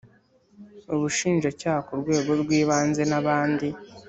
Ubushinjacyaha ku rwego rw Ibanze n’abandi